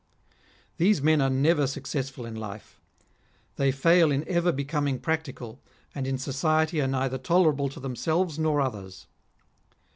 These men are never successful in life ; they fail in ever becoming practical, and in society are neither tolerable to themselves nor others.